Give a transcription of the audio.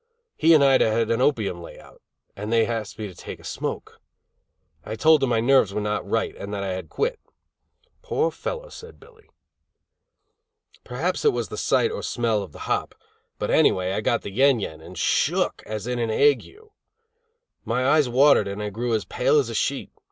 He and Ida had an opium layout, and they asked me to take a smoke. I told them my nerves were not right, and that I had quit. "Poor fellow," said Billy. Perhaps it was the sight or smell of the hop, but anyway I got the yen yen and shook as in an ague. My eyes watered and I grew as pale as a sheet.